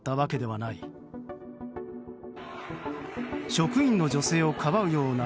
職員の女性をかばうような